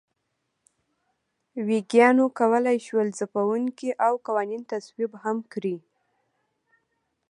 ویګیانو کولای شول ځپونکي او قوانین تصویب هم کړي.